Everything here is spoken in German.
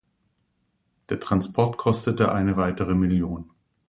Der Transport kostete eine weitere Million.